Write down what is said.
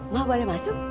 mau boleh masuk